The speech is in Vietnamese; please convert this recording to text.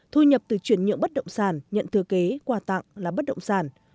thu nhập từ chuyển nhượng bất động sản nhận thừa kế quà tặng là bất động sản